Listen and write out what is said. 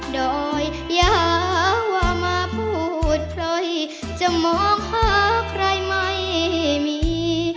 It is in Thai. โดยอย่าว่ามาพูดใครจะมองหาใครไม่มี